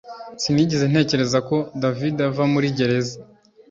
Sinigeze ntekereza ko David ava muri gereza